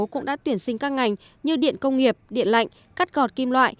cũng đã tuyển sinh các ngành như điện công nghiệp điện lạnh cắt gọt kim loại